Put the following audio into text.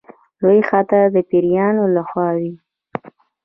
لوی خطر د پیرانو له خوا وي.